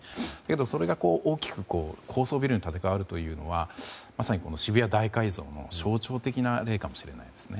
それが大きく高層ビルに建て替わるというのはまさに渋谷大改造の象徴的な例かもしれないですね。